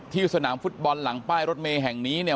สนามฟุตบอลหลังป้ายรถเมย์แห่งนี้เนี่ย